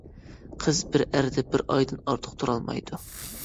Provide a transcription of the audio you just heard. قىز بىر ئەردە بىر ئايدىن ئارتۇق تۇرالمايدۇ.